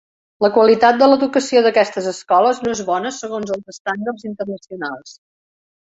La qualitat de l'educació d'aquestes escoles no es bona segons els estàndards internacionals.